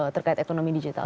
terkait ekonomi digital